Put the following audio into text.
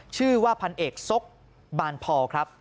ชื่อว่าพันเอกซกบานพอครับ